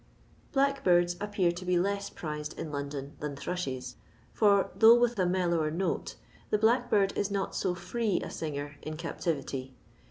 lUackbirdi appear to be less prized in London than thrushes, for, though with a mellower note, the bUckbird is not so free a singer in captivity.